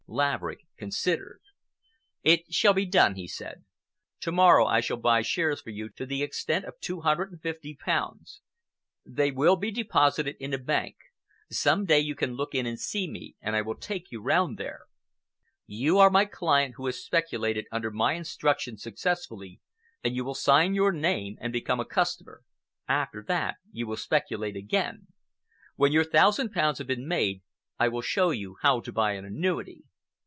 Laverick considered. "It shall be done," he said. "To morrow I shall buy shares for you to the extent of two hundred and fifty pounds. They will be deposited in a bank. Some day you can look in and see me, and I will take you round there. You are my client who has speculated under my instructions successfully, and you will sign your name and become a customer. After that, you will speculate again. When your thousand pounds has been made, I will show you how to buy an annuity.